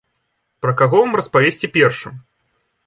Пра каго вам распавесці першым?